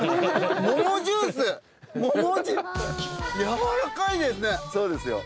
やわらかいですね。